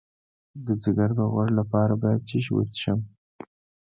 د ځیګر د غوړ لپاره باید څه شی وڅښم؟